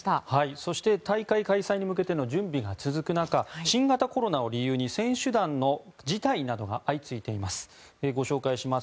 そして大会開催に向けての準備が続く中新型コロナを理由に選手団の辞退などが相次いでいます。